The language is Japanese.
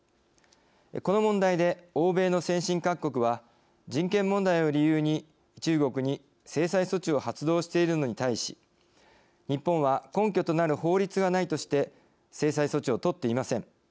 この問題で、欧米の先進各国は人権問題を理由に中国に制裁措置を発動しているのに対し日本は根拠となる法律がないとして制裁措置を取っていません。